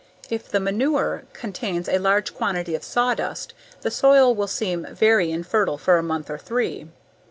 If the "manure" contains a large quantity of sawdust the soil will seem very infertile for a month or three.